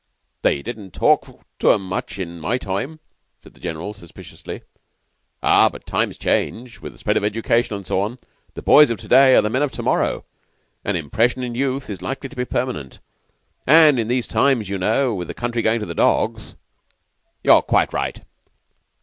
"They didn't talk to 'em much in my time," said the General, suspiciously. "Ah! but times change with the spread of education and so on. The boys of to day are the men of to morrow. An impression in youth is likely to be permanent. And in these times, you know, with the country going to the dogs?" "You're quite right."